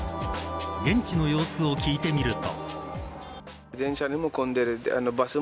現地の様子を聞いてみると。